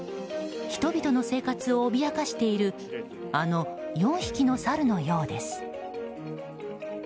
人々の生活を脅かしているあの４匹のサルのようです。